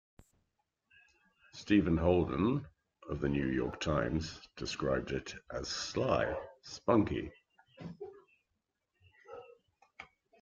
Stephen Holden of "The New York Times" described it as "sly, spunky".